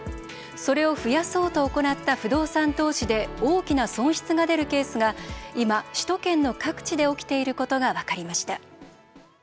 それを増やそうと行った不動産投資で大きな損失が出るケースが今首都圏の各地で起きていることが分かりました。